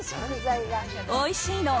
おいしいの。